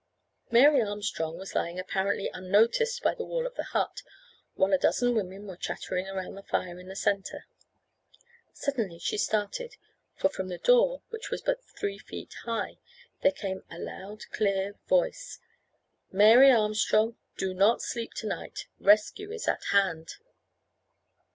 Mary Armstrong was lying apparently unnoticed by the wall of the hut, while a dozen women were chattering round the fire in the centre. Suddenly she started; for from the door, which was but three feet high, there came a loud, clear voice, "Mary Armstrong, do not sleep to night. Rescue is at hand."